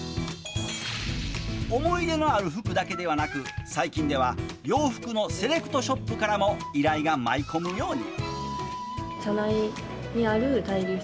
思い出のある服だけではなく最近では洋服のセレクトショップからも依頼が舞い込むように。